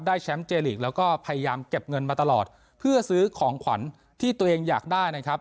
แชมป์เจลีกแล้วก็พยายามเก็บเงินมาตลอดเพื่อซื้อของขวัญที่ตัวเองอยากได้นะครับ